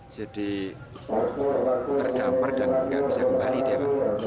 jadi terdampar dan tidak bisa kembali dia pak